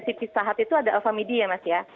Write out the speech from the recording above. si phd itu ada alphamidi ya mas ya